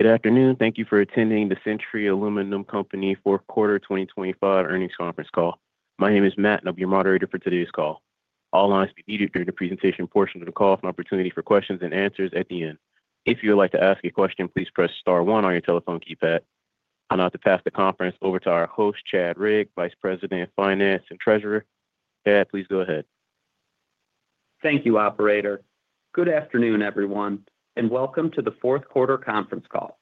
Good afternoon. Thank you for attending the Century Aluminum Company Fourth Quarter 2025 Earnings Conference Call. My name is Matt, and I'll be your moderator for today's call. All lines will be muted during the presentation portion of the call. An opportunity for questions and answers at the end. If you would like to ask a question, please press star one on your telephone keypad. I'll now turn the conference over to our host, Chad Rigg, Vice President of Finance and Treasurer. Chad, please go ahead. Thank you, operator. Good afternoon, everyone, and welcome to the fourth quarter conference call.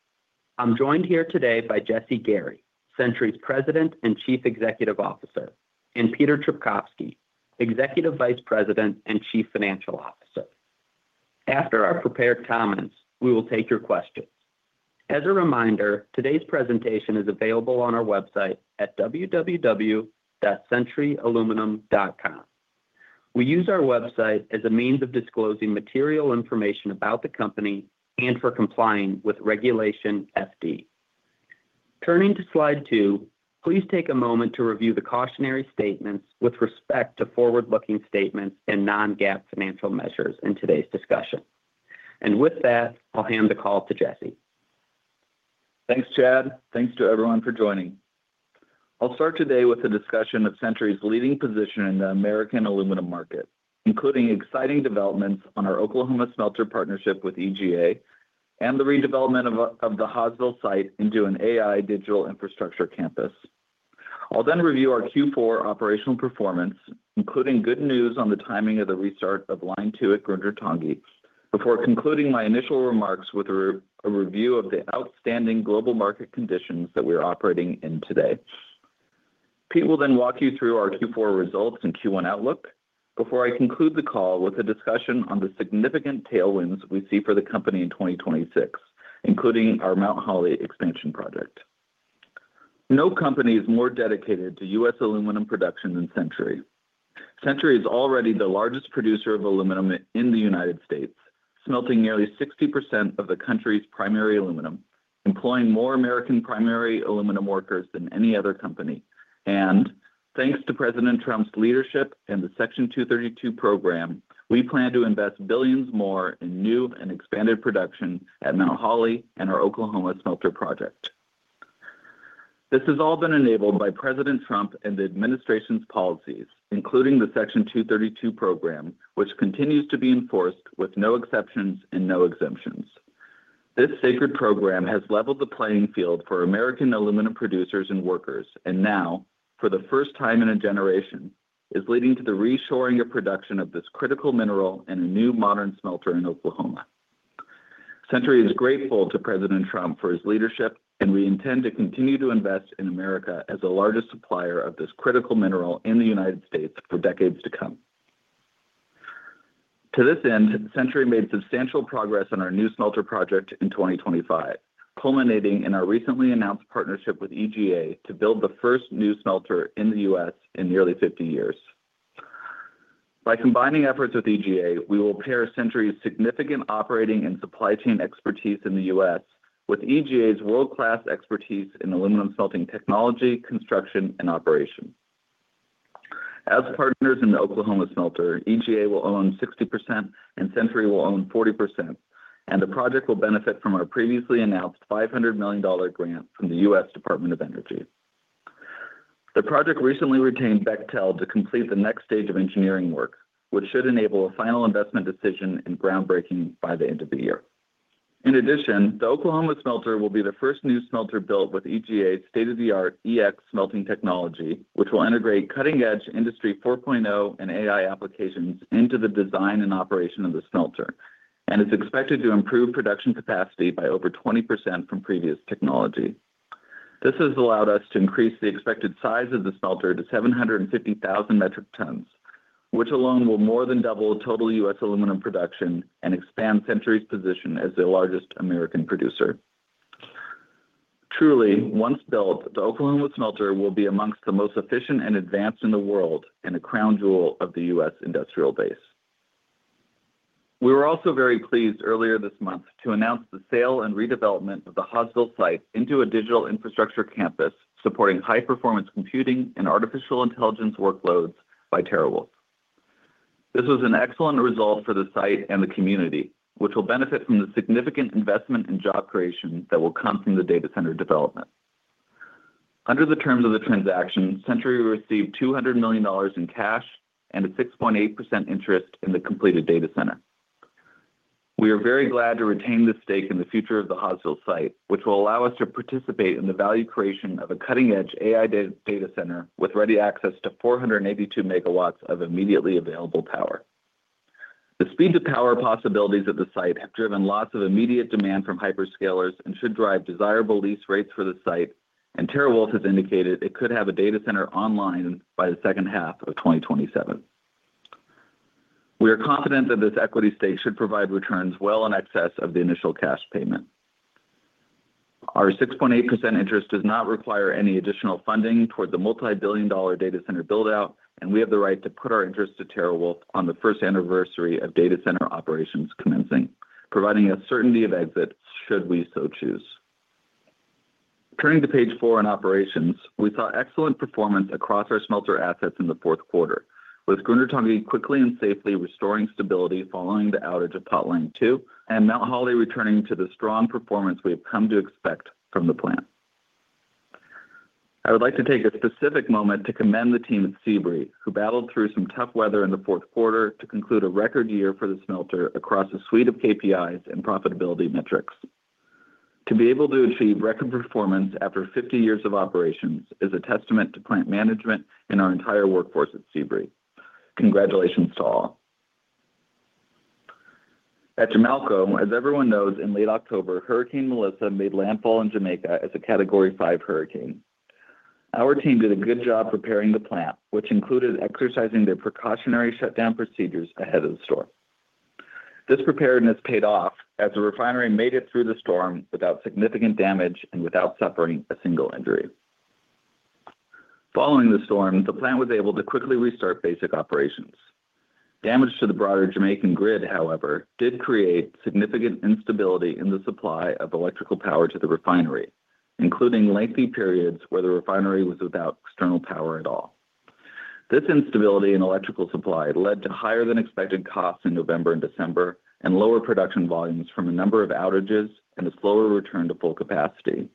I'm joined here today by Jesse Gary, Century's President and Chief Executive Officer, and Peter Trpkovski, Executive Vice President and Chief Financial Officer. After our prepared comments, we will take your questions. As a reminder, today's presentation is available on our website at www.centuryaluminum.com. We use our website as a means of disclosing material information about the company and for complying with Regulation FD. Turning to slide 2, please take a moment to review the cautionary statements with respect to forward-looking statements and non-GAAP financial measures in today's discussion. With that, I'll hand the call to Jesse. Thanks, Chad. Thanks to everyone for joining. I'll start today with a discussion of Century's leading position in the American aluminum market, including exciting developments on our Oklahoma Smelter partnership with EGA and the redevelopment of the Hawesville site into an AI digital infrastructure campus. I'll then review our Q4 operational performance, including good news on the timing of the restart of Line Two at Grundartangi, before concluding my initial remarks with a review of the outstanding global market conditions that we are operating in today. Pete will then walk you through our Q4 results and Q1 outlook before I conclude the call with a discussion on the significant tailwinds we see for the company in 2026, including our Mt. Holly expansion project. No company is more dedicated to U.S. aluminum production than Century. Century is already the largest producer of aluminum in the United States, smelting nearly 60% of the country's primary aluminum, employing more American primary aluminum workers than any other company. Thanks to President Trump's leadership and the Section 232 program, we plan to invest $billions more in new and expanded production at Mt. Holly and our Oklahoma smelter project. This has all been enabled by President Trump and the administration's policies, including the Section 232 program, which continues to be enforced with no exceptions and no exemptions. This sacred program has leveled the playing field for American aluminum producers and workers, and now, for the first time in a generation, is leading to the reshoring of production of this critical mineral and a new modern smelter in Oklahoma. Century is grateful to President Trump for his leadership, and we intend to continue to invest in America as the largest supplier of this critical mineral in the United States for decades to come. To this end, Century made substantial progress on our new smelter project in 2025, culminating in our recently announced partnership with EGA to build the first new smelter in the U.S. in nearly 50 years. By combining efforts with EGA, we will pair Century's significant operating and supply chain expertise in the U.S. with EGA's world-class expertise in aluminum smelting technology, construction, and operation. As partners in the Oklahoma Smelter, EGA will own 60% and Century will own 40%, and the project will benefit from our previously announced $500 million grant from the U.S. Department of Energy. The project recently retained Bechtel to complete the next stage of engineering work, which should enable a final investment decision and groundbreaking by the end of the year. In addition, the Oklahoma Smelter will be the first new smelter built with EGA's state-of-the-art EX smelting technology, which will integrate cutting-edge Industry 4.0 and AI applications into the design and operation of the smelter, and it's expected to improve production capacity by over 20% from previous technology. This has allowed us to increase the expected size of the smelter to 750,000 metric tons, which alone will more than double total U.S. aluminum production and expand Century's position as the largest American producer. Truly, once built, the Oklahoma Smelter will be amongst the most efficient and advanced in the world and a crown jewel of the U.S. industrial base. We were also very pleased earlier this month to announce the sale and redevelopment of the Hawesville site into a digital infrastructure campus, supporting high-performance computing and artificial intelligence workloads by TeraWulf. This was an excellent result for the site and the community, which will benefit from the significant investment in job creation that will come from the data center development. Under the terms of the transaction, Century will receive $200 million in cash and a 6.8% interest in the completed data center. We are very glad to retain this stake in the future of the Hawesville site, which will allow us to participate in the value creation of a cutting-edge AI data center with ready access to 482 MW of immediately available power. The speed-to-power possibilities of the site have driven lots of immediate demand from hyperscalers and should drive desirable lease rates for the site, and TeraWulf has indicated it could have a data center online by the second half of 2027. We are confident that this equity stake should provide returns well in excess of the initial cash payment. Our 6.8% interest does not require any additional funding toward the multi-billion dollar data center build-out, and we have the right to put our interest to TeraWulf on the first anniversary of data center operations commencing, providing a certainty of exit should we so choose.... Turning to page 4 in operations, we saw excellent performance across our smelter assets in the fourth quarter, with Grundartangi quickly and safely restoring stability following the outage of Potline 2, and Mt. Holly returning to the strong performance we have come to expect from the plant. I would like to take a specific moment to commend the team at Sebree, who battled through some tough weather in the fourth quarter to conclude a record year for the smelter across a suite of KPIs and profitability metrics. To be able to achieve record performance after 50 years of operations is a testament to plant management and our entire workforce at Sebree. Congratulations to all. At Jamalco, as everyone knows, in late October, Hurricane Melissa made landfall in Jamaica as a Category 5 hurricane. Our team did a good job preparing the plant, which included exercising their precautionary shutdown procedures ahead of the storm. This preparedness paid off as the refinery made it through the storm without significant damage and without suffering a single injury. Following the storm, the plant was able to quickly restart basic operations. Damage to the broader Jamaican grid, however, did create significant instability in the supply of electrical power to the refinery, including lengthy periods where the refinery was without external power at all. This instability in electrical supply led to higher than expected costs in November and December, and lower production volumes from a number of outages and a slower return to full capacity.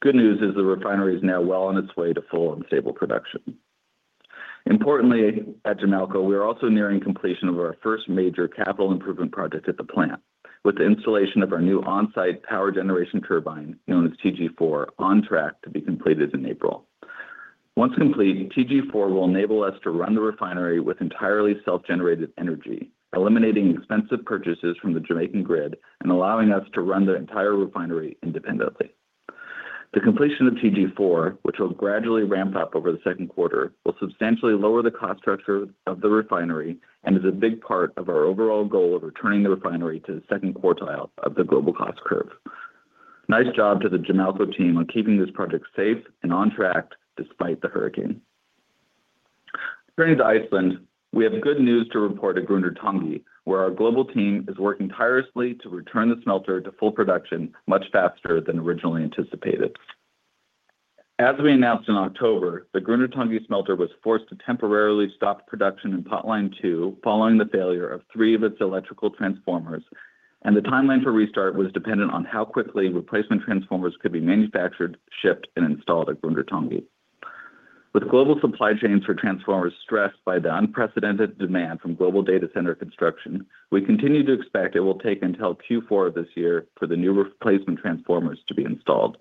Good news is the refinery is now well on its way to full and stable production. Importantly, at Jamalco, we are also nearing completion of our first major capital improvement project at the plant, with the installation of our new on-site power generation turbine, known as TG4, on track to be completed in April. Once complete, TG4 will enable us to run the refinery with entirely self-generated energy, eliminating expensive purchases from the Jamaican grid and allowing us to run the entire refinery independently. The completion of TG4, which will gradually ramp up over the second quarter, will substantially lower the cost structure of the refinery and is a big part of our overall goal of returning the refinery to the second quartile of the global cost curve. Nice job to the Jamalco team on keeping this project safe and on track despite the hurricane. Turning to Iceland, we have good news to report at Grundartangi, where our global team is working tirelessly to return the smelter to full production much faster than originally anticipated. As we announced in October, the Grundartangi smelter was forced to temporarily stop production in Potline two following the failure of three of its electrical transformers, and the timeline for restart was dependent on how quickly replacement transformers could be manufactured, shipped and installed at Grundartangi. With global supply chains for transformers stressed by the unprecedented demand from global data center construction, we continue to expect it will take until Q4 of this year for the new replacement transformers to be installed.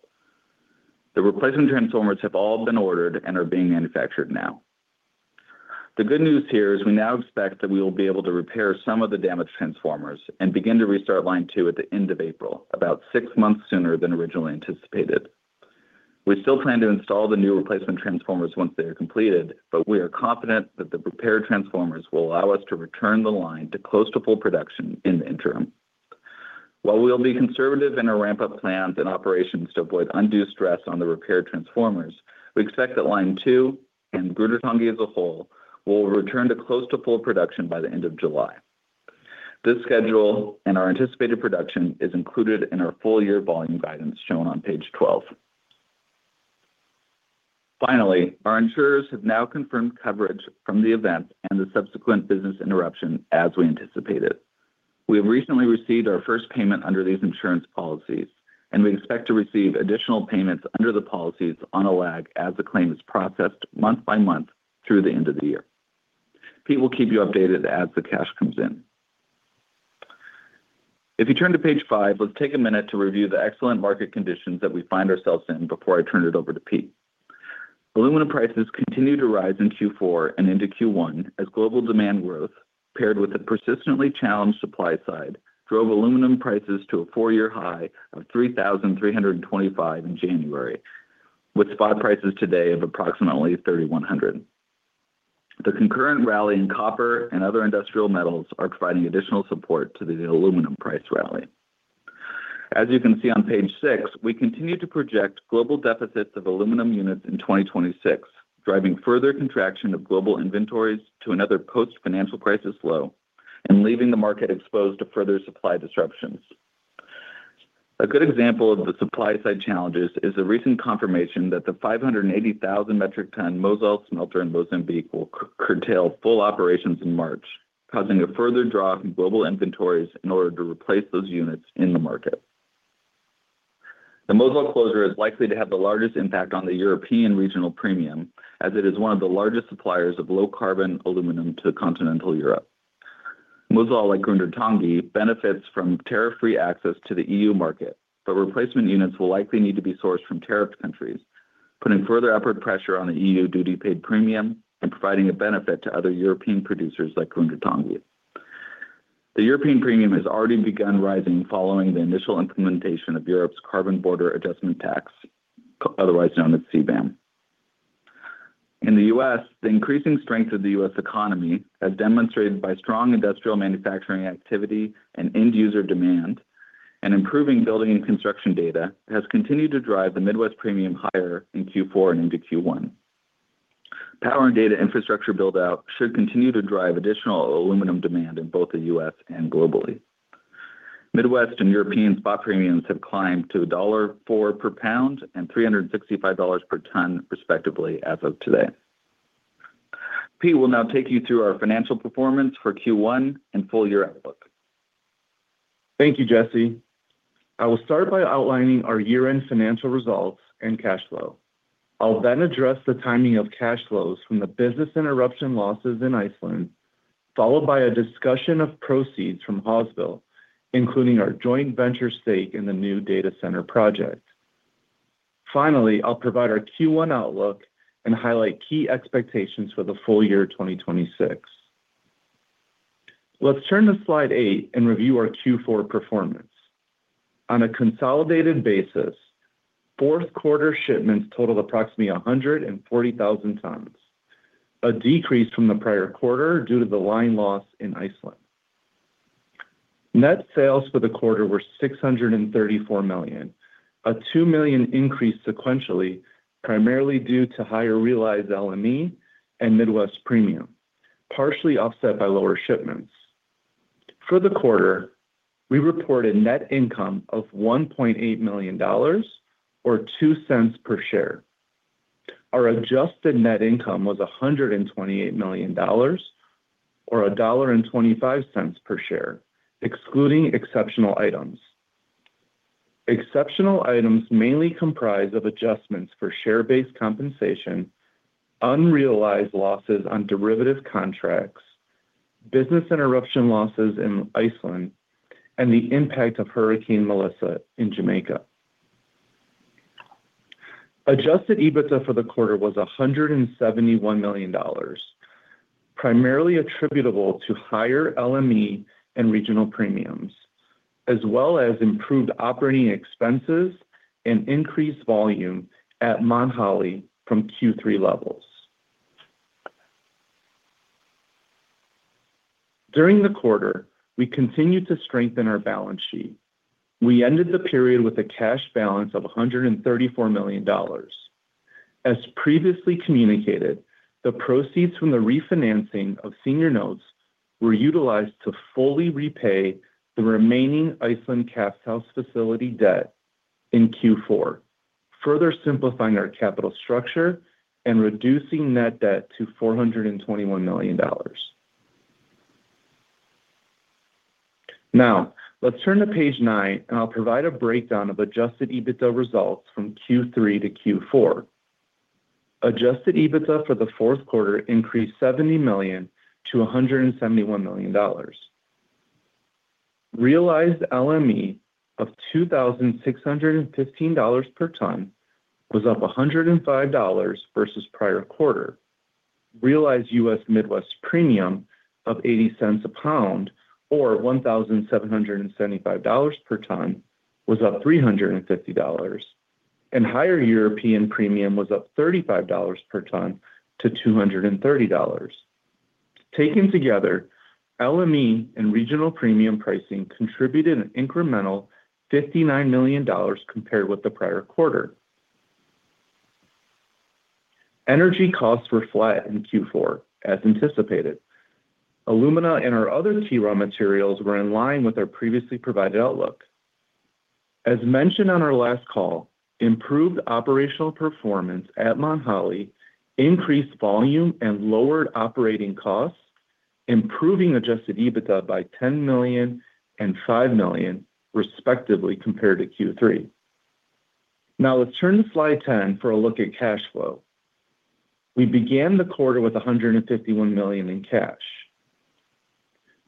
The replacement transformers have all been ordered and are being manufactured now. The good news here is we now expect that we will be able to repair some of the damaged transformers and begin to restart Line 2 at the end of April, about six months sooner than originally anticipated. We still plan to install the new replacement transformers once they are completed, but we are confident that the repaired transformers will allow us to return the line to close to full production in the interim. While we will be conservative in our ramp-up plans and operations to avoid undue stress on the repaired transformers, we expect that Line 2 and Grundartangi as a whole will return to close to full production by the end of July. This schedule and our anticipated production is included in our full year volume guidance shown on page 12. Finally, our insurers have now confirmed coverage from the event and the subsequent business interruption as we anticipated. We have recently received our first payment under these insurance policies, and we expect to receive additional payments under the policies on a lag as the claim is processed month by month through the end of the year. Pete will keep you updated as the cash comes in. If you turn to page 5, let's take a minute to review the excellent market conditions that we find ourselves in before I turn it over to Pete. Aluminum prices continued to rise in Q4 and into Q1 as global demand growth, paired with a persistently challenged supply side, drove aluminum prices to a four-year high of $3,325 in January, with spot prices today of approximately $3,100. The concurrent rally in copper and other industrial metals are providing additional support to the aluminum price rally. As you can see on page 6, we continue to project global deficits of aluminum units in 2026, driving further contraction of global inventories to another post-financial crisis low and leaving the market exposed to further supply disruptions. A good example of the supply side challenges is the recent confirmation that the 580,000 metric ton Mozal smelter in Mozambique will curtail full operations in March, causing a further drop in global inventories in order to replace those units in the market. The Mozal closure is likely to have the largest impact on the European regional premium, as it is one of the largest suppliers of low-carbon aluminum to continental Europe. Mozal, like Grundartangi, benefits from tariff-free access to the E.U. market, but replacement units will likely need to be sourced from tariffed countries, putting further upward pressure on the E.U. duty paid premium and providing a benefit to other European producers like Grundartangi. The European premium has already begun rising following the initial implementation of Europe's Carbon Border Adjustment Tax, otherwise known as CBAM. In the U.S., the increasing strength of the U.S. economy, as demonstrated by strong industrial manufacturing activity and end-user demand, and improving building and construction data, has continued to drive the Midwest premium higher in Q4 and into Q1. Power and data infrastructure build-out should continue to drive additional aluminum demand in both the U.S. and globally. Midwest and European spot premiums have climbed to $1.04 per pound and $365 per ton, respectively, as of today. Pete will now take you through our financial performance for Q1 and full-year outlook. Thank you, Jesse. I will start by outlining our year-end financial results and cash flow. I'll then address the timing of cash flows from the business interruption losses in Iceland, followed by a discussion of proceeds from Hawesville, including our joint venture stake in the new data center project. Finally, I'll provide our Q1 outlook and highlight key expectations for the full year 2026. Let's turn to slide 8 and review our Q4 performance. On a consolidated basis, fourth quarter shipments totaled approximately 140,000 tons, a decrease from the prior quarter due to the line loss in Iceland. Net sales for the quarter were $634 million, a $2 million increase sequentially, primarily due to higher realized LME and Midwest Premium, partially offset by lower shipments. For the quarter, we reported net income of $1.8 million or $0.02 per share. Our adjusted net income was $128 million, or $1.25 per share, excluding exceptional items. Exceptional items mainly comprise of adjustments for share-based compensation, unrealized losses on derivative contracts, business interruption losses in Iceland, and the impact of Hurricane Melissa in Jamaica. Adjusted EBITDA for the quarter was $171 million, primarily attributable to higher LME and regional premiums, as well as improved operating expenses and increased volume at Mt. Holly from Q3 levels. During the quarter, we continued to strengthen our balance sheet. We ended the period with a cash balance of $134 million. As previously communicated, the proceeds from the refinancing of senior notes were utilized to fully repay the remaining Iceland Cast House facility debt in Q4, further simplifying our capital structure and reducing net debt to $421 million. Now, let's turn to page 9, and I'll provide a breakdown of Adjusted EBITDA results from Q3 to Q4. Adjusted EBITDA for the fourth quarter increased $70 million to $171 million. Realized LME of $2,615 per ton was up $105 versus prior quarter. Realized U.S. Midwest premium of $0.80 a pound or $1,775 per ton was up $350, and higher European premium was up $35 per ton to $230. Taken together, LME and regional premium pricing contributed an incremental $59 million compared with the prior quarter. Energy costs were flat in Q4, as anticipated. Alumina and our other key raw materials were in line with our previously provided outlook. As mentioned on our last call, improved operational performance at Mt. Holly increased volume and lowered operating costs, improving Adjusted EBITDA by $10 million and $5 million, respectively, compared to Q3. Now, let's turn to slide 10 for a look at cash flow. We began the quarter with $151 million in cash.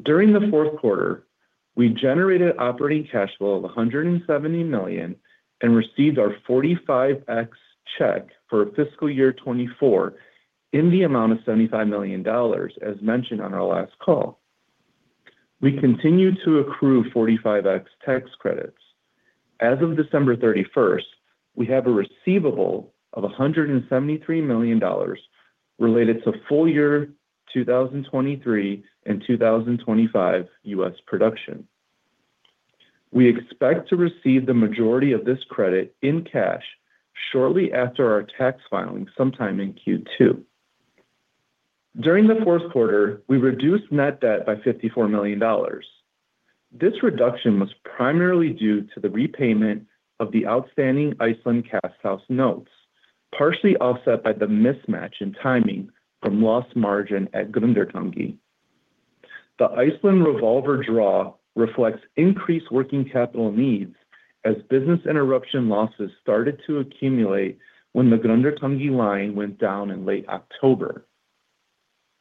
During the fourth quarter, we generated operating cash flow of $170 million and received our 45X check for fiscal year 2024 in the amount of $75 million, as mentioned on our last call. We continued to accrue 45X tax credits. As of December 31, we have a receivable of $173 million related to full year 2023 and 2025 U.S. production. We expect to receive the majority of this credit in cash shortly after our tax filing, sometime in Q2. During the fourth quarter, we reduced net debt by $54 million. This reduction was primarily due to the repayment of the outstanding Iceland Cast House notes, partially offset by the mismatch in timing from lost margin at Grundartangi. The Iceland revolver draw reflects increased working capital needs as business interruption losses started to accumulate when the Grundartangi line went down in late October.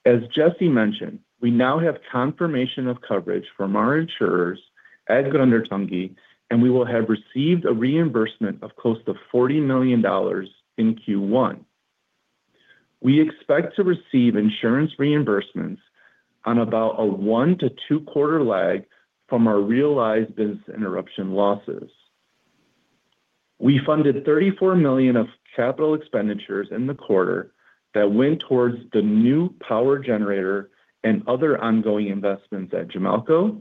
As Jesse mentioned, we now have confirmation of coverage from our insurers at Grundartangi, and we will have received a reimbursement of close to $40 million in Q1. We expect to receive insurance reimbursements on about a 1-2-quarter lag from our realized business interruption losses. We funded $34 million of capital expenditures in the quarter that went towards the new power generator and other ongoing investments at Jamalco.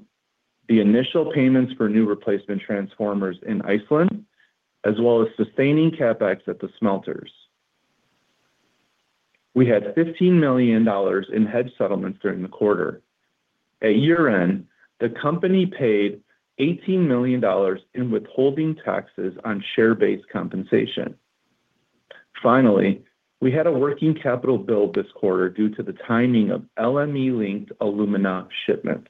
The initial payments for new replacement transformers in Iceland, as well as sustaining CapEx at the smelters. We had $15 million in hedge settlements during the quarter. At year-end, the company paid $18 million in withholding taxes on share-based compensation. Finally, we had a working capital build this quarter due to the timing of LME-linked alumina shipments.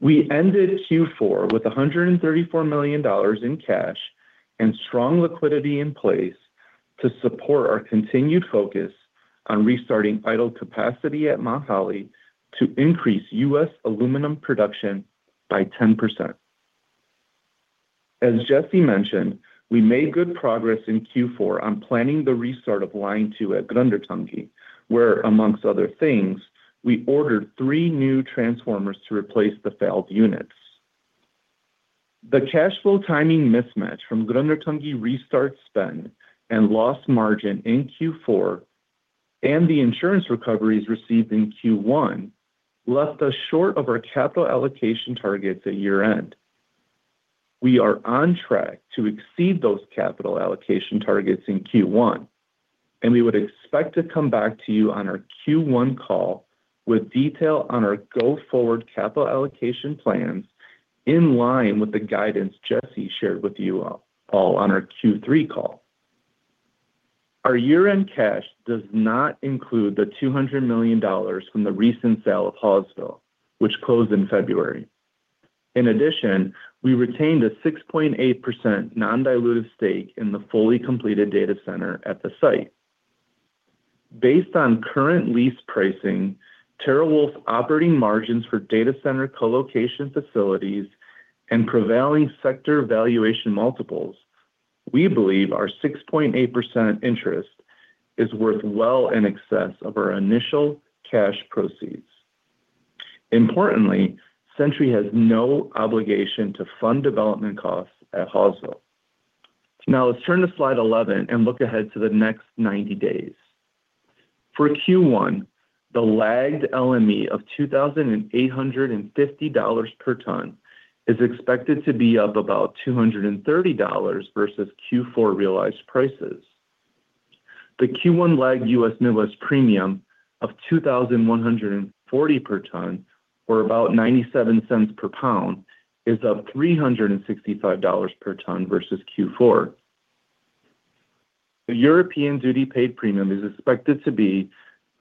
We ended Q4 with $134 million in cash and strong liquidity in place to support our continued focus on restarting idle capacity at Mt. Holly to increase U.S. aluminum production by 10%. As Jesse mentioned, we made good progress in Q4 on planning the restart of line 2 at Grundartangi, where, among other things, we ordered 3 new transformers to replace the failed units. The cash flow timing mismatch from Grundartangi restart spend and lost margin in Q4, and the insurance recoveries received in Q1 left us short of our capital allocation targets at year-end. We are on track to exceed those capital allocation targets in Q1, and we would expect to come back to you on our Q1 call with detail on our go-forward capital allocation plans in line with the guidance Jesse shared with you all, all on our Q3 call. Our year-end cash does not include the $200 million from the recent sale of Hawesville, which closed in February. In addition, we retained a 6.8% non-dilutive stake in the fully completed data center at the site. Based on current lease pricing, TeraWulf operating margins for data center colocation facilities and prevailing sector valuation multiples, we believe our 6.8% interest is worth well in excess of our initial cash proceeds. Importantly, Century has no obligation to fund development costs at Hawesville. Now let's turn to slide 11 and look ahead to the next 90 days. For Q1, the lagged LME of $2,850 per ton is expected to be up about $230 versus Q4 realized prices. The Q1 lagged U.S. Midwest premium of $2,140 per ton, or about $0.97 per pound, is up $365 per ton versus Q4. The European Duty Paid Premium is expected to be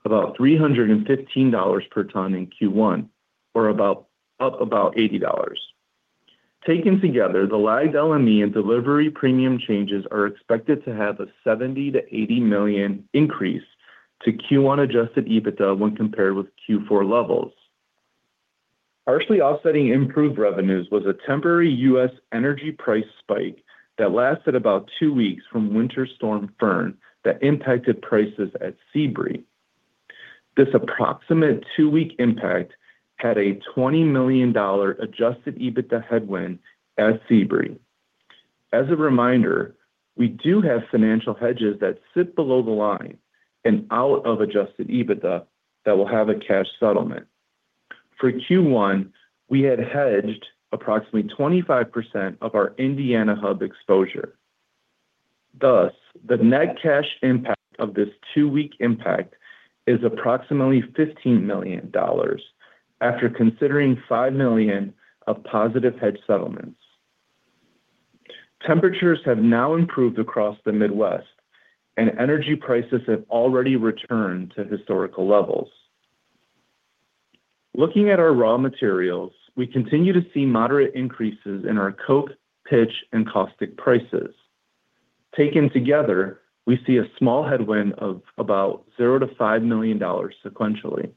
about $315 per ton in Q1, or about, up about $80. Taken together, the lagged LME and delivery premium changes are expected to have a $70 million-$80 million increase to Q1 Adjusted EBITDA when compared with Q4 levels. Partially offsetting improved revenues was a temporary U.S. energy price spike that lasted about 2 weeks from Winter Storm Fern that impacted prices at Sebree. This approximate 2-week impact had a $20 million Adjusted EBITDA headwind at Sebree. As a reminder, we do have financial hedges that sit below the line and out of Adjusted EBITDA that will have a cash settlement. For Q1, we had hedged approximately 25% of our Indiana hub exposure. Thus, the net cash impact of this two-week impact is approximately $15 million, after considering $5 million of positive hedge settlements. Temperatures have now improved across the Midwest, and energy prices have already returned to historical levels. Looking at our raw materials, we continue to see moderate increases in our coke, pitch, and caustic prices. Taken together, we see a small headwind of about $0-$5 million sequentially.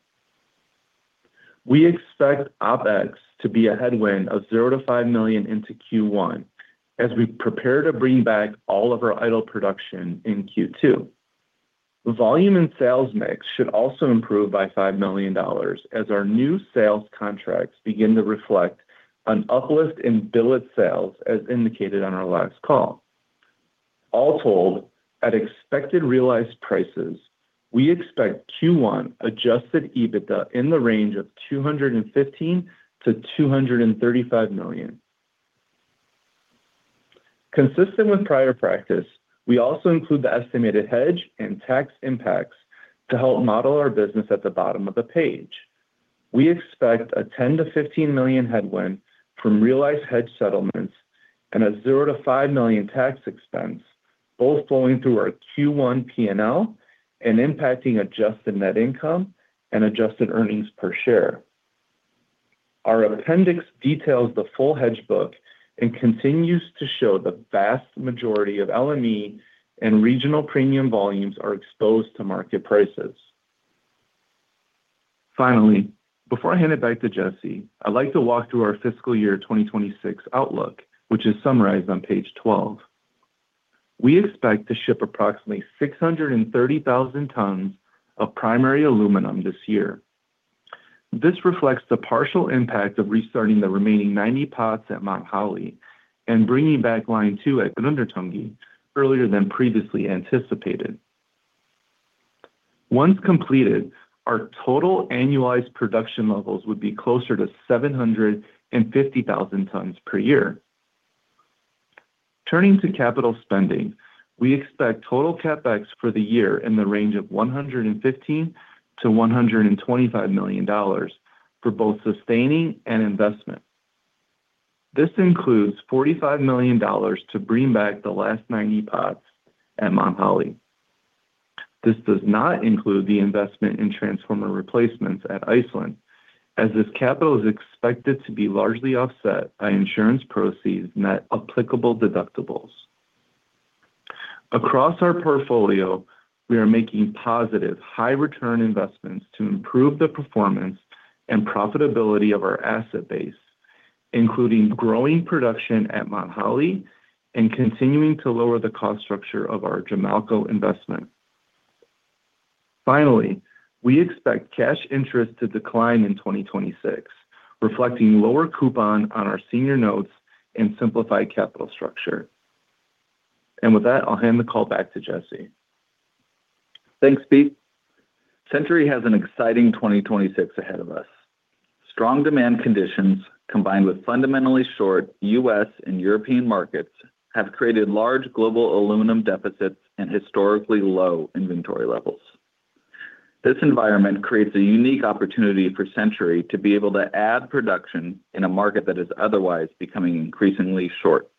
We expect OpEx to be a headwind of $0-$5 million into Q1 as we prepare to bring back all of our idle production in Q2. Volume and sales mix should also improve by $5 million as our new sales contracts begin to reflect an uplift in billet sales, as indicated on our last call. All told, at expected realized prices, we expect Q1 Adjusted EBITDA in the range of $215 million-$235 million. Consistent with prior practice, we also include the estimated hedge and tax impacts to help model our business at the bottom of the page. We expect a $10 million-$15 million headwind from realized hedge settlements and a $0 million-$5 million tax expense, both flowing through our Q1 P&L and impacting adjusted net income and adjusted earnings per share. Our appendix details the full hedge book and continues to show the vast majority of LME and regional premium volumes are exposed to market prices. Finally, before I hand it back to Jesse, I'd like to walk through our fiscal year 2026 outlook, which is summarized on page 12. We expect to ship approximately 630,000 tons of primary aluminum this year. This reflects the partial impact of restarting the remaining 90 pots at Mt. Holly and bringing back line two at Grundartangi earlier than previously anticipated.... Once completed, our total annualized production levels would be closer to 750,000 tons per year. Turning to capital spending, we expect total CapEx for the year in the range of $115 million-$125 million for both sustaining and investment. This includes $45 million to bring back the last 90 pots at Mt. Holly. This does not include the investment in transformer replacements at Iceland, as this capital is expected to be largely offset by insurance proceeds net applicable deductibles. Across our portfolio, we are making positive, high return investments to improve the performance and profitability of our asset base, including growing production at Mt. Holly and continuing to lower the cost structure of our Jamalco investment. Finally, we expect cash interest to decline in 2026, reflecting lower coupon on our senior notes and simplified capital structure. And with that, I'll hand the call back to Jesse. Thanks, Pete. Century has an exciting 2026 ahead of us. Strong demand conditions, combined with fundamentally short U.S. and European markets, have created large global aluminum deficits and historically low inventory levels. This environment creates a unique opportunity for Century to be able to add production in a market that is otherwise becoming increasingly short.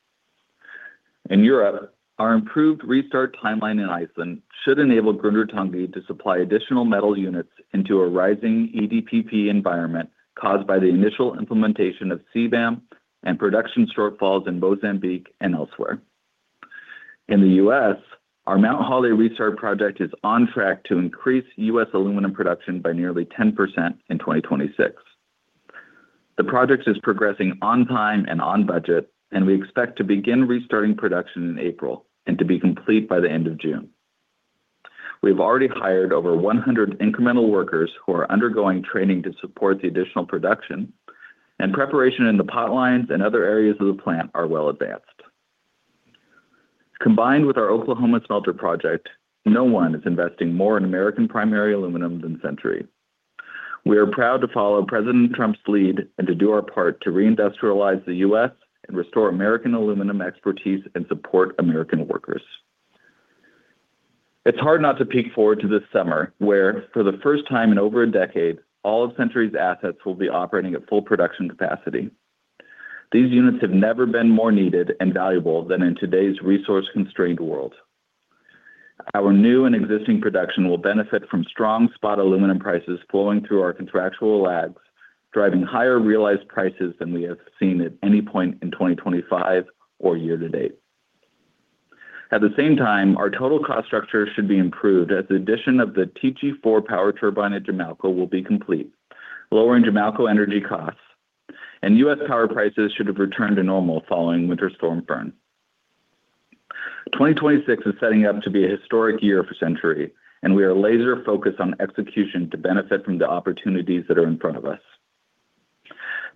In Europe, our improved restart timeline in Iceland should enable Grundartangi to supply additional metal units into a rising EDPP environment caused by the initial implementation of CBAM and production shortfalls in Mozambique and elsewhere. In the U.S., our Mt. Holly restart project is on track to increase U.S. aluminum production by nearly 10% in 2026. The project is progressing on time and on budget, and we expect to begin restarting production in April and to be complete by the end of June. We've already hired over 100 incremental workers who are undergoing training to support the additional production, and preparation in the pot lines and other areas of the plant are well advanced. Combined with our Oklahoma smelter project, no one is investing more in American primary aluminum than Century. We are proud to follow President Trump's lead and to do our part to reindustrialize the U.S. and restore American aluminum expertise and support American workers. It's hard not to peek forward to this summer, where for the first time in over a decade, all of Century's assets will be operating at full production capacity. These units have never been more needed and valuable than in today's resource-constrained world. Our new and existing production will benefit from strong spot aluminum prices flowing through our contractual lags, driving higher realized prices than we have seen at any point in 2025 or year to date. At the same time, our total cost structure should be improved as the addition of the TG-4 power turbine at Jamalco will be complete, lowering Jamalco energy costs, and U.S. power prices should have returned to normal following Winter Storm Uri. 2026 is setting up to be a historic year for Century, and we are laser-focused on execution to benefit from the opportunities that are in front of us.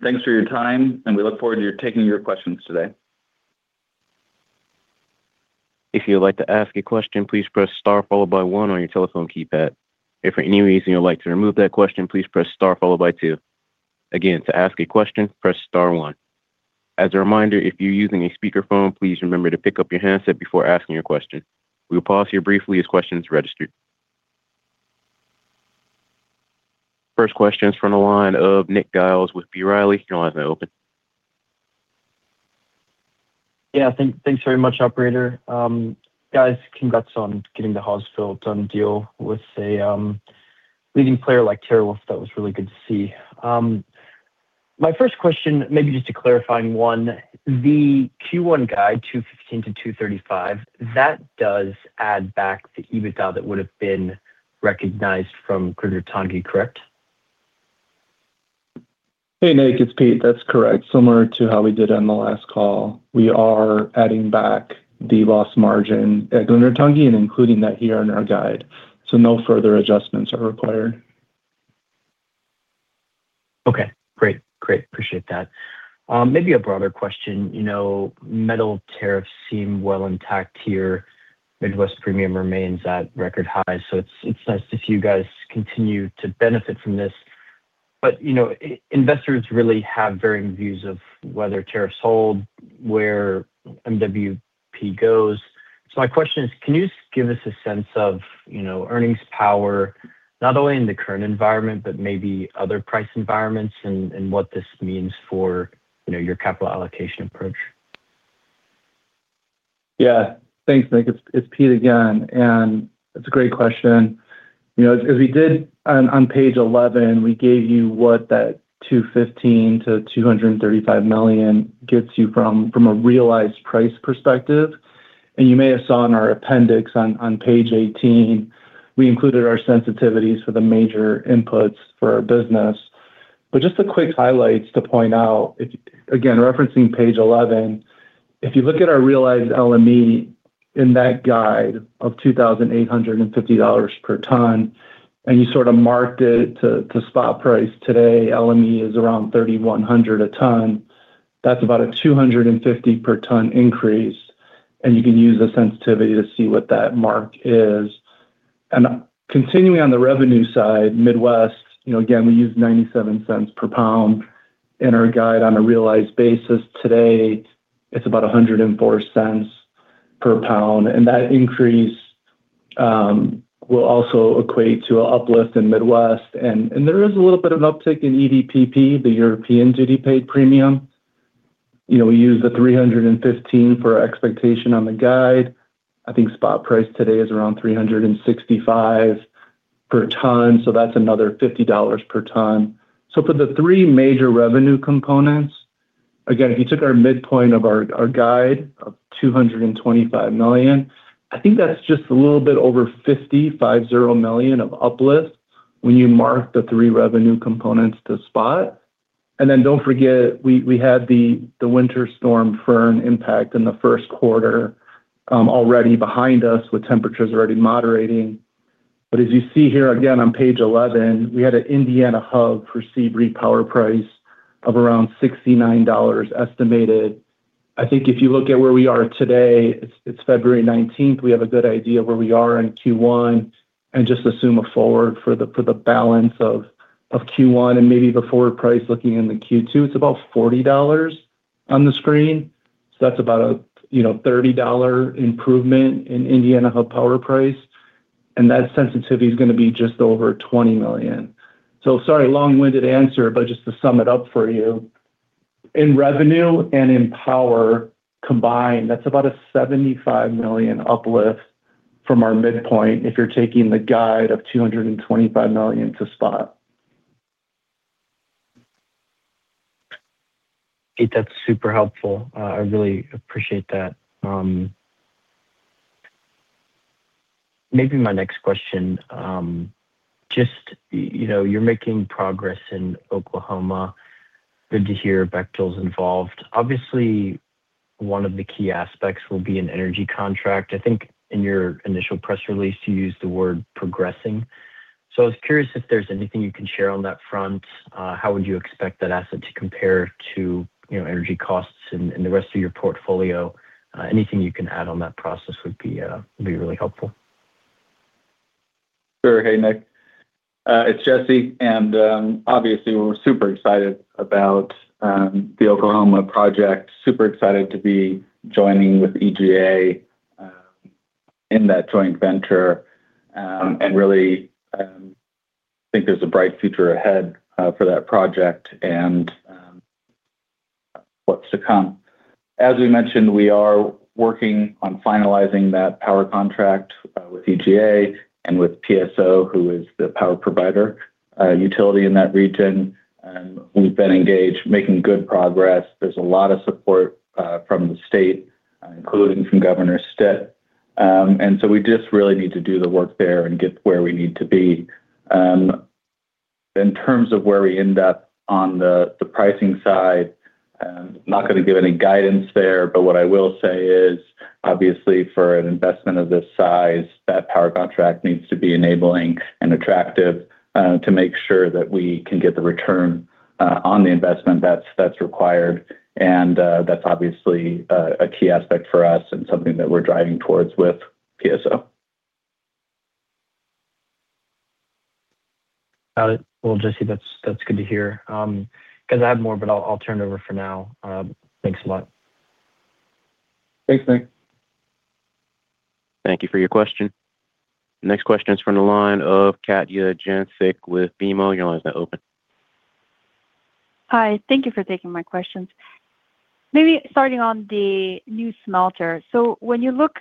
Thanks for your time, and we look forward to taking your questions today. If you'd like to ask a question, please press star followed by one on your telephone keypad. If for any reason you'd like to remove that question, please press star followed by two. Again, to ask a question, press star one. As a reminder, if you're using a speakerphone, please remember to pick up your handset before asking your question. We'll pause here briefly as questions register. First question is from the line of Nick Giles with B. Riley. Your line is now open. Yeah, thanks very much, operator. Guys, congrats on getting the Hawesville done deal with a leading player like TeraWulf. That was really good to see. My first question, maybe just a clarifying one, the Q1 guide, $215-$235, that does add back the EBITDA that would have been recognized from Grundartangi, correct? Hey, Nick, it's Pete. That's correct. Similar to how we did on the last call, we are adding back the loss margin at Grundartangi and including that here in our guide. So no further adjustments are required. Okay, great. Great. Appreciate that. Maybe a broader question. You know, metal tariffs seem well intact here. Midwest Premium remains at record high, so it's, it's nice if you guys continue to benefit from this. But, you know, investors really have varying views of whether tariffs hold, where MWP goes. So my question is, can you give us a sense of, you know, earnings power, not only in the current environment, but maybe other price environments and, and what this means for, you know, your capital allocation approach? Yeah. Thanks, Nick. It's, it's Pete again, and that's a great question. You know, as we did on, on page 11, we gave you what that $215-$235 million gets you from, from a realized price perspective. And you may have saw in our appendix on, on page 18, we included our sensitivities for the major inputs for our business. But just a quick highlights to point out, if, again, referencing page 11, if you look at our realized LME in that guide of $2,850 per ton, and you sort of marked it to, to spot price today, LME is around $3,100 a ton. That's about a $250 per ton increase.... and you can use the sensitivity to see what that mark is. And continuing on the revenue side, Midwest, you know, again, we use $0.97 per pound in our guide on a realized basis. Today, it's about $1.04 per pound, and that increase will also equate to a uplift in Midwest. And there is a little bit of an uptick in EDPP, the European Duty Paid Premium. You know, we use $315 for our expectation on the guide. I think spot price today is around $365 per ton, so that's another $50 per ton. So for the three major revenue components, again, if you took our midpoint of our guide of $225 million, I think that's just a little bit over 55 million of uplift when you mark the three revenue components to spot. And then don't forget, we had the winter storm fern impact in the first quarter already behind us, with temperatures already moderating. But as you see here again on page 11, we had an Indiana hub for Sebree power price of around $69 estimated. I think if you look at where we are today, it's February 19, we have a good idea of where we are in Q1, and just assume a forward for the balance of Q1 and maybe the forward price looking into Q2, it's about $40 on the screen. So that's about, you know, a $30 improvement in Indiana hub power price, and that sensitivity is gonna be just over $20 million. So sorry, long-winded answer, but just to sum it up for you, in revenue and in power combined, that's about a $75 million uplift from our midpoint if you're taking the guide of $225 million to spot. Okay, that's super helpful. I really appreciate that. Maybe my next question, just, you know, you're making progress in Oklahoma. Good to hear Bechtel's involved. Obviously, one of the key aspects will be an energy contract. I think in your initial press release, you used the word "progressing." So I was curious if there's anything you can share on that front. How would you expect that asset to compare to, you know, energy costs in the rest of your portfolio? Anything you can add on that process would be really helpful. Sure thing, Nick. It's Jesse, and obviously, we're super excited about the Oklahoma project. Super excited to be joining with EGA in that joint venture, and really think there's a bright future ahead for that project and what's to come. As we mentioned, we are working on finalizing that power contract with EGA and with PSO, who is the power provider utility in that region, and we've been engaged, making good progress. There's a lot of support from the state, including from Governor Stitt. And so we just really need to do the work there and get where we need to be. In terms of where we end up on the pricing side, not gonna give any guidance there, but what I will say is, obviously, for an investment of this size, that power contract needs to be enabling and attractive to make sure that we can get the return on the investment that's required. And that's obviously a key aspect for us and something that we're driving towards with PSO. Got it. Well, Jesse, that's, that's good to hear. Because I have more, but I'll, I'll turn it over for now. Thanks a lot. Thanks, Nick. Thank you for your question. Next question is from the line of Katja Jancic with BMO. Your line is now open. Hi, thank you for taking my questions. Maybe starting on the new smelter. So when you look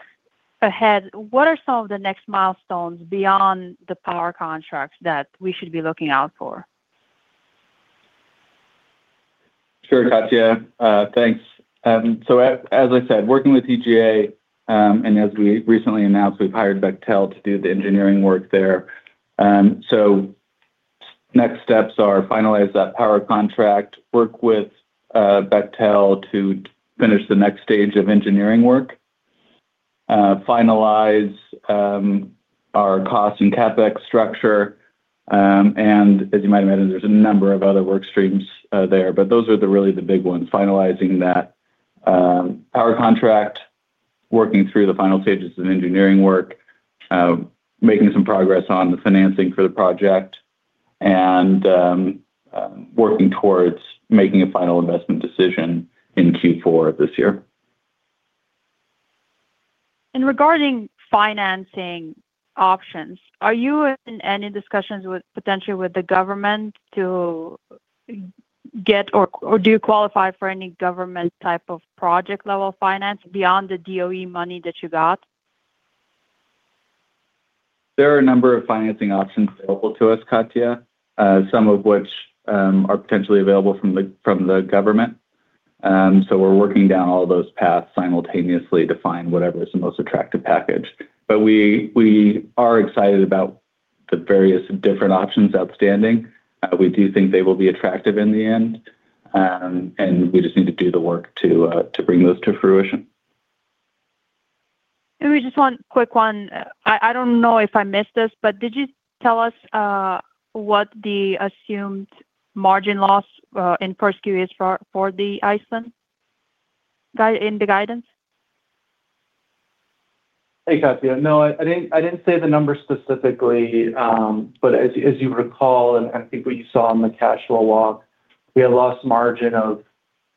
ahead, what are some of the next milestones beyond the power contracts that we should be looking out for? Sure, Katja. Thanks. So as I said, working with EGA, and as we recently announced, we've hired Bechtel to do the engineering work there. So next steps are finalize that power contract, work with Bechtel to finish the next stage of engineering work, finalize our costs and CapEx structure, and as you might imagine, there's a number of other work streams there. But those are really the big ones, finalizing that power contract, working through the final stages of engineering work, making some progress on the financing for the project, and working towards making a final investment decision in Q4 of this year. Regarding financing options, are you in any discussions with, potentially, with the government to get or, or do you qualify for any government type of project-level finance beyond the DOE money that you got? There are a number of financing options available to us, Katja, some of which are potentially available from the government. So we're working down all those paths simultaneously to find whatever is the most attractive package. But we are excited about the various different options outstanding. We do think they will be attractive in the end, and we just need to do the work to bring those to fruition. We just one quick one. I don't know if I missed this, but did you tell us what the assumed margin loss in Q1 is for the Iceland guide in the guidance? Hey, Katja. No, I didn't say the number specifically, but as you recall, and I think what you saw in the cash flow walk, we had lost margin of,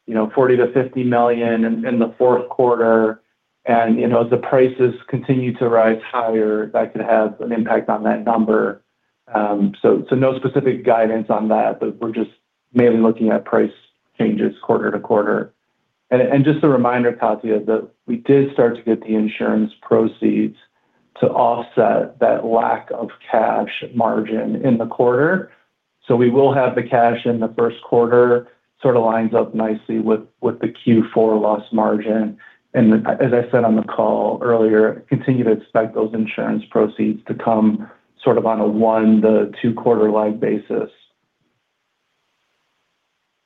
you know, $40 million-$50 million in the fourth quarter. And, you know, as the prices continue to rise higher, that could have an impact on that number. So, no specific guidance on that, but we're just mainly looking at price changes quarter to quarter. And just a reminder, Katja, that we did start to get the insurance proceeds to offset that lack of cash margin in the quarter. So we will have the cash in the first quarter, sort of lines up nicely with the Q4 loss margin. As I said on the call earlier, continue to expect those insurance proceeds to come sort of on a 1-2 quarter lag basis.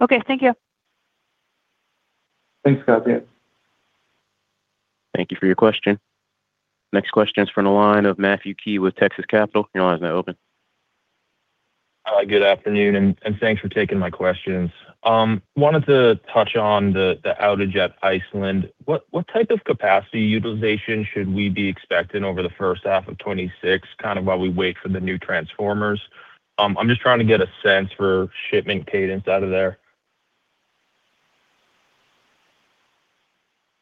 Okay, thank you. Thanks, Katja. Thank you for your question. Next question is from the line of Matthew Key with Texas Capital. Your line is now open. Hi, good afternoon, and thanks for taking my questions. Wanted to touch on the outage at Iceland. What type of capacity utilization should we be expecting over the first half of 2026, kind of while we wait for the new transformers? I'm just trying to get a sense for shipment cadence out of there.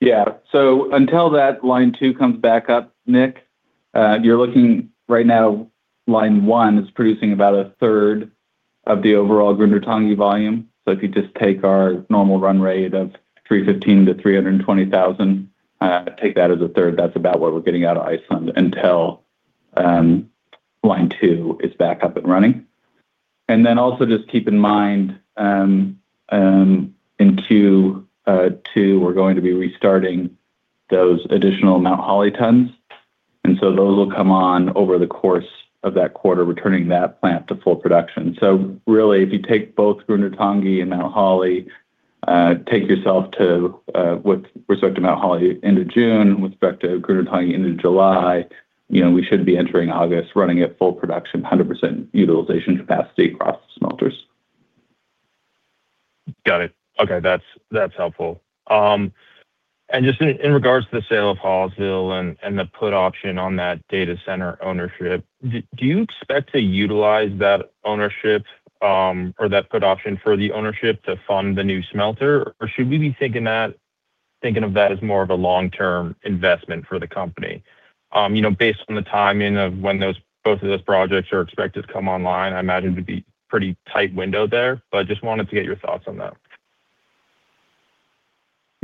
Yeah. So until that line two comes back up, Nick, you're looking right now, line one is producing about a third of the overall Grundartangi volume. So if you just take our normal run rate of 315,000-320,000, take that as a third, that's about what we're getting out of Iceland until line two is back up and running. And then also just keep in mind, in Q2, we're going to be restarting those additional Mt. Holly tons. And so those will come on over the course of that quarter, returning that plant to full production. So really, if you take both Grundartangi and Mt. Holly, take yourself to, with respect to Mt. Holly, end of June, with respect to Grundartangi, end of July, you know, we should be entering August, running at full production, 100% utilization capacity across the smelters. Got it. Okay, that's helpful. And just in regards to the sale of Hawesville and the put option on that data center ownership, do you expect to utilize that ownership or that put option for the ownership to fund the new smelter? Or should we be thinking of that as more of a long-term investment for the company? You know, based on the timing of when those both of those projects are expected to come online, I imagine it would be pretty tight window there, but just wanted to get your thoughts on that.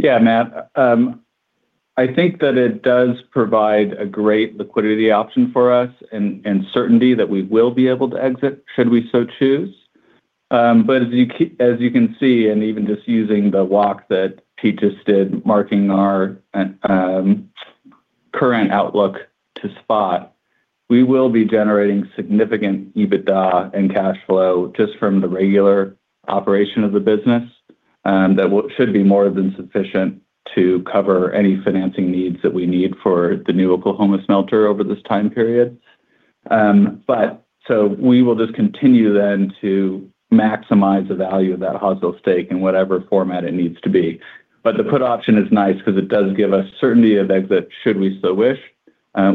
Yeah, Matt, I think that it does provide a great liquidity option for us and, and certainty that we will be able to exit, should we so choose. But as you can see, and even just using the walk that Pete just did, marking our current outlook to spot, we will be generating significant EBITDA and cash flow just from the regular operation of the business, that should be more than sufficient to cover any financing needs that we need for the new Oklahoma smelter over this time period. But so we will just continue then to maximize the value of that Hawesville stake in whatever format it needs to be. But the put option is nice because it does give us certainty of exit, should we so wish.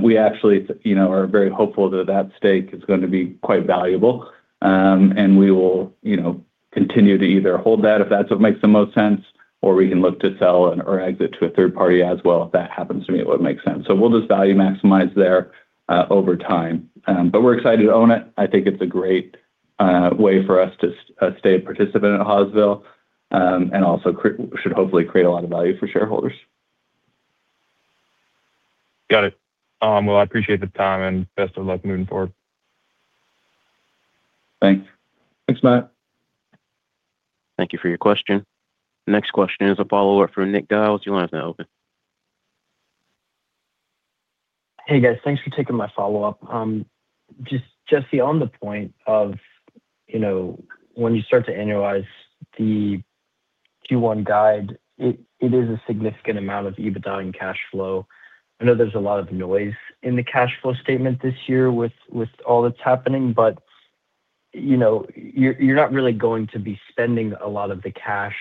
We actually, you know, are very hopeful that that stake is going to be quite valuable, and we will, you know, continue to either hold that if that's what makes the most sense, or we can look to sell and/or exit to a third party as well, if that happens to be what makes sense. So we'll just value maximize there, over time. But we're excited to own it. I think it's a great way for us to stay a participant at Hawesville, and also should hopefully create a lot of value for shareholders. Got it. Well, I appreciate the time and best of luck moving forward. Thanks. Thanks, Matt. Thank you for your question. Next question is a follow-up from Nick Giles. Your line is now open. Hey, guys. Thanks for taking my follow-up. Just, Jesse, on the point of, you know, when you start to annualize the Q1 guide, it is a significant amount of EBITDA and cash flow. I know there's a lot of noise in the cash flow statement this year with all that's happening, but, you know, you're not really going to be spending a lot of the cash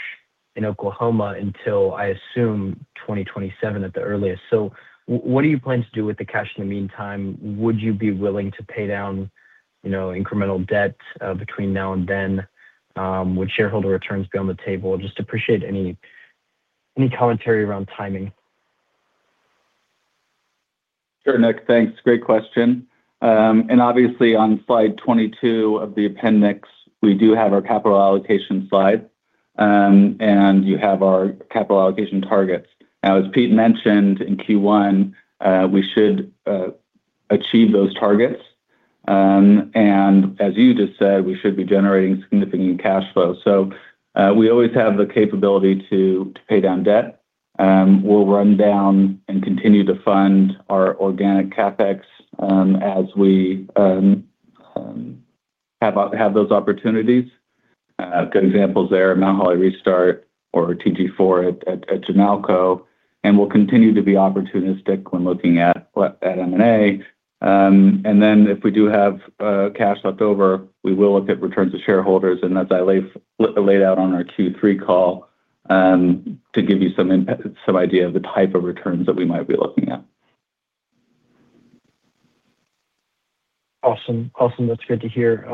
in Oklahoma until, I assume, 2027 at the earliest. So what do you plan to do with the cash in the meantime? Would you be willing to pay down, you know, incremental debt between now and then? Would shareholder returns be on the table? Just appreciate any commentary around timing. Sure, Nick. Thanks. Great question. And obviously, on slide 22 of the appendix, we do have our capital allocation slide, and you have our capital allocation targets. Now, as Pete mentioned, in Q1, we should achieve those targets, and as you just said, we should be generating significant cash flow. So, we always have the capability to pay down debt. We'll run down and continue to fund our organic CapEx, as we have those opportunities. Good examples there, Mt. Holly Restart or TG4 at Jamalco, and we'll continue to be opportunistic when looking at M&A. Then, if we do have cash left over, we will look at returns to shareholders, and as I laid out on our Q3 call, to give you some idea of the type of returns that we might be looking at. Awesome. Awesome, that's good to hear.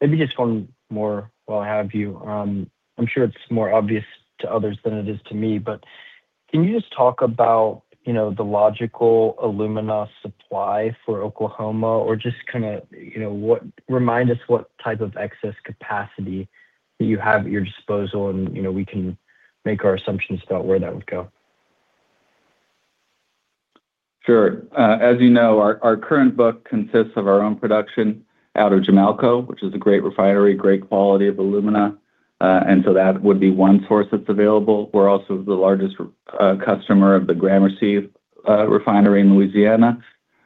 Maybe just one more while I have you. I'm sure it's more obvious to others than it is to me, but can you just talk about, you know, the logical alumina supply for Oklahoma, or just kinda, you know, what, remind us what type of excess capacity that you have at your disposal, and, you know, we can make our assumptions about where that would go? Sure. As you know, our current book consists of our own production out of Jamalco, which is a great refinery, great quality of alumina. And so that would be one source that's available. We're also the largest customer of the Gramercy refinery in Louisiana,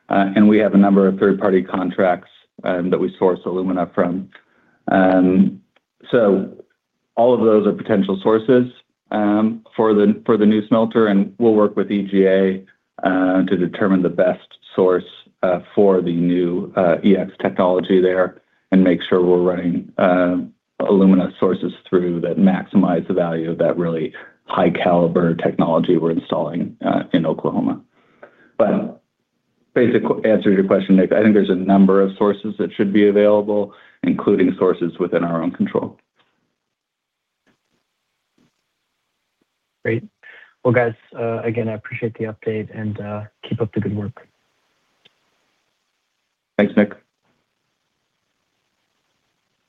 and we have a number of third-party contracts that we source alumina from. So all of those are potential sources for the new smelter, and we'll work with EGA to determine the best source for the new EX technology there and make sure we're running alumina sources through that maximize the value of that really high-caliber technology we're installing in Oklahoma. But answer to your question, Nick, I think there's a number of sources that should be available, including sources within our own control. Great. Well, guys, again, I appreciate the update, and keep up the good work. Thanks, Nick.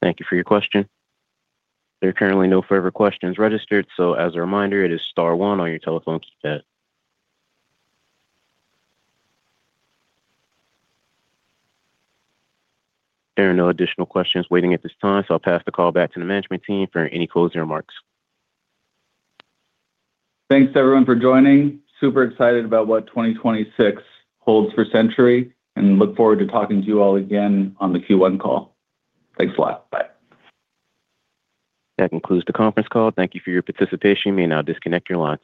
Thank you for your question. There are currently no further questions registered, so as a reminder, it is star one on your telephone keypad. There are no additional questions waiting at this time, so I'll pass the call back to the management team for any closing remarks. Thanks, everyone, for joining. Super excited about what 2026 holds for Century, and look forward to talking to you all again on the Q1 call. Thanks a lot. Bye. That concludes the conference call. Thank you for your participation. You may now disconnect your line.